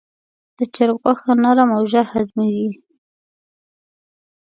د چرګ غوښه نرم او ژر هضمېږي.